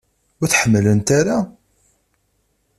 Ur ten-ḥemmlent ara?